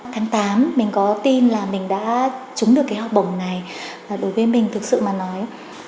tháng tám mình có tin là mình đã trúng được cái học bổng này đối với mình thực sự mà nói